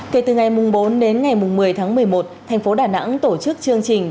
kể từ ngày bốn đến ngày một mươi tháng một mươi một thành phố đà nẵng tổ chức chương trình